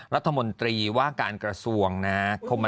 รัฐมนตรีว่าการกระทรวงนะครับ